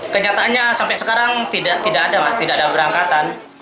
kenyataannya sampai sekarang tidak ada mas tidak ada berangkatan